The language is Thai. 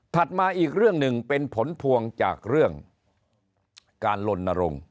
มาอีกเรื่องหนึ่งเป็นผลพวงจากเรื่องการลนรงค์